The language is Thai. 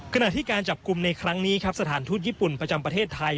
ขณะที่การจับกลุ่มในครั้งนี้ครับสถานทูตญี่ปุ่นประจำประเทศไทย